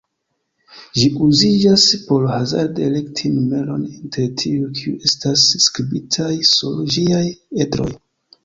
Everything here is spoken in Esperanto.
Ĝi uziĝas por hazarde elekti numeron inter tiuj kiuj estas skribitaj sur ĝiaj edroj.